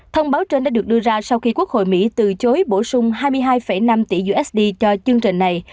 thông báo trên đã được đưa ra sau khi quốc hội mỹ từ chối bổ sung hai mươi hai năm tỷ usd cho chương trình này